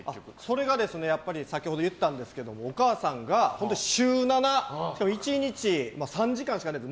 それが、先ほど言ったんですがお母さんが週７しかも１日３時間しか寝てない。